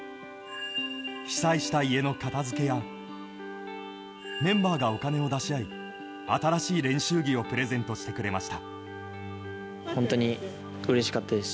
被災した家の片づけやメンバーがお金を出し合い新しい練習着をプレゼントしてくれました。